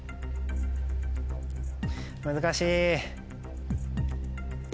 難しい。